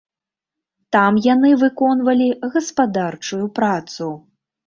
Там яны выконвалі гаспадарчую працу.